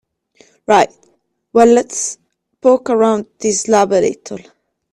Right, well let's poke around his lab a little.